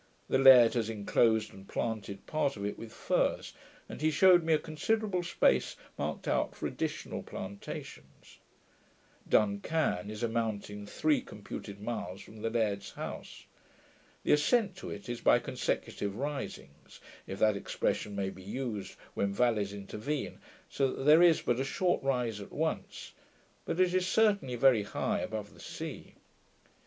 The laird has enclosed and planted part of it with firs, and he shewed me a considerable space marked out for additional plantations. Dun Can is a mountain three computed miles from the laird's house. The ascent to it is by consecutive risings, if that expression may be used when vallies intervene, so that there is but a short rise at once; but it is certainly very high above the sea.